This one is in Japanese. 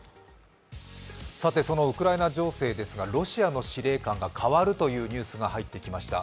そのウクライナ情勢ですがロシアの司令官が代わるというニュースが入ってきました。